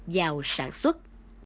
giàu sản xuất